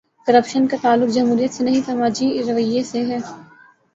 Corruption کا تعلق جمہوریت سے نہیں، سماجی رویے سے ہے۔